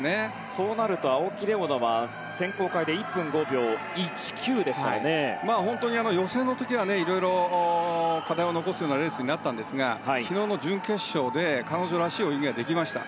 そうなると青木玲緒樹は選考会で予選の時はいろいろ課題を残すようなレースになったんですが昨日の準決勝で彼女らしい泳ぎができました。